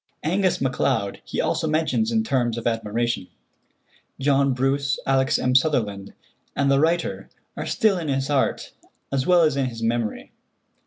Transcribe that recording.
Angus MacLeod he also mentions in terms of admiration. John Bruce, Alex. M. Sutherland, and the writer are still in his heart as well as in his memory.